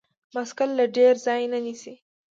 بایسکل له ډیر ځای نه نیسي.